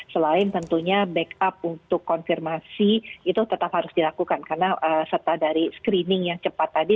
selain tentunya backup untuk konfirmasi itu tetap harus dilakukan karena serta dari screening yang cepat tadi